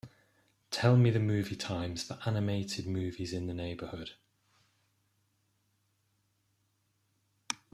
Tell me the movie times for animated movies in the neighborhood.